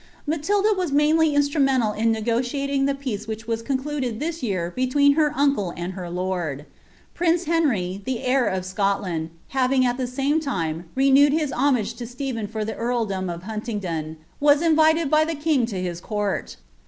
Matiloft' was mainly instrumental in negotiating the peace which ww concluded this year between her uncle and her lord. Prince lleniy, llie lieir of Scotland, having, at the same time, renewed bis homags to Stephen for the earldom of Huntingdon, was invited by the king lo hit court.